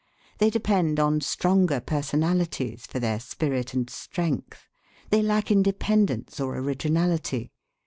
They depend on stronger personalities for their spirit and strength. They lack independence or originality.